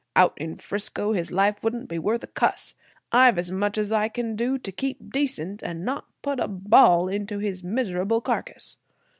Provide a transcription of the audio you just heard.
Out in 'Frisco his life wouldn't be worth a cuss. I've as much as I can do to keep decent and not put a ball into his miserable carcass.